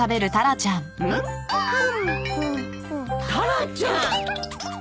タラちゃん。